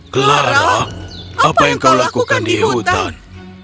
clara apa yang kau lakukan di hutan